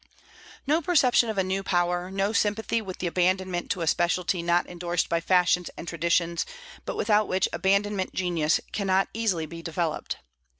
No perception of a new power, no sympathy with the abandonment to a specialty not indorsed by fashions and traditions, but without which abandonment genius cannot easily be developed.